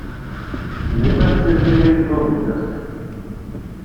Dima tessizdig acebbub-nnes.